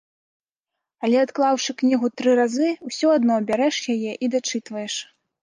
Але адклаўшы кнігу тры разы, усё адно бярэш яе і дачытваеш.